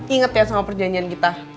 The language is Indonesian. ingat ya sama perjanjian kita